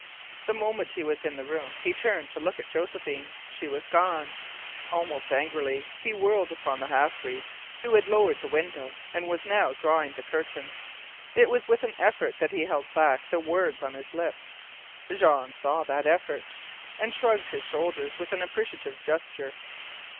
The moment he was in the room he turned to look at Josephine. She was gone. Almost angrily he whirled upon the half breed, who had lowered the window, and was now drawing the curtain. It was with an effort that he held back the words on his lips. Jean saw that effort, and shrugged his shoulders with an appreciative gesture.